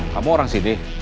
kamu orang sini